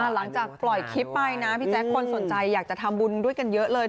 หลังจากปล่อยคลิปไปนะพี่แจ๊คคนสนใจอยากจะทำบุญด้วยกันเยอะเลย